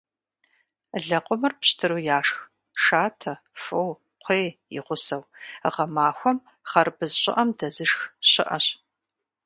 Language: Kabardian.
Лэкъумыр пщтыру яшх, шатэ, фо, кхъуей и гъусэу. Гъэмахуэм хъарбыз щӏыӏэм дэзышх щыӏэщ.